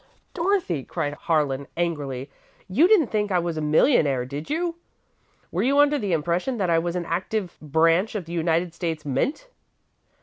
"Dorothy!" cried Harlan, angrily; "you didn't think I was a millionaire, did you? Were you under the impression that I was an active branch of the United States Mint?"